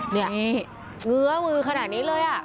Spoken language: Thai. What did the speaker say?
นี่เงื้อมือขนาดนี้เลย